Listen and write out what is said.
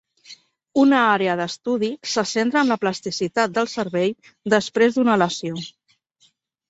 Una àrea d'estudi se centra en la plasticitat del cervell després d'una lesió.